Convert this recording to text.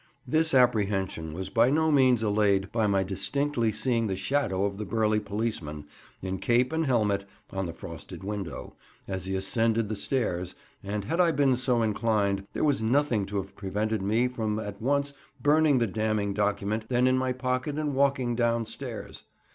This apprehension was by no means allayed by my distinctly seeing the shadow of the burly policeman, in cape and helmet, on the frosted window, as he ascended the stairs; and had I been so inclined, there was nothing to have prevented me from at once burning the damning document then in my pocket and walking down stairs.